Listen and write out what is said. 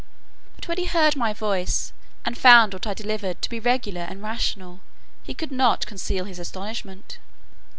But when he heard my voice, and found what I delivered to be regular and rational, he could not conceal his astonishment.